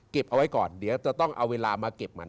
เอาไว้ก่อนเดี๋ยวจะต้องเอาเวลามาเก็บมัน